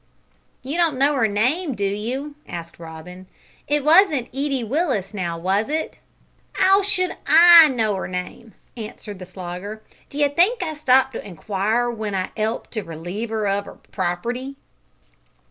"You don't know her name, do you?" asked Robin; "it wasn't Edie Willis, now, was it?" "'Ow should I know 'er name?" answered the Slogger. "D'you think I stopped to inquire w'en I 'elped to relieve 'er of 'er propity?"